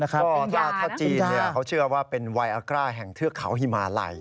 ก็ถ้าจีนเขาเชื่อว่าเป็นไวอากร่าแห่งเทือกเขาฮิมาลัย